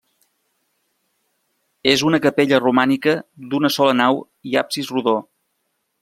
És una capella romànica d'una sola nau i absis rodó.